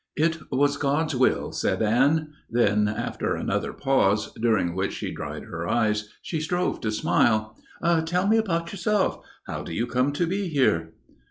"It was God's will," said Anne. Then, after another pause, during which she dried her eyes, she strove to smile. "Tell me about yourself. How do you come to be here?"